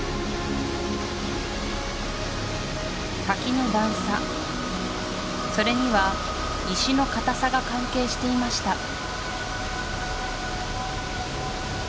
滝の段差それには石の硬さが関係していました